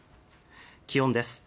気温です。